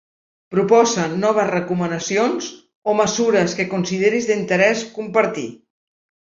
Proposa noves recomanacions o mesures que consideris d'interès compartir.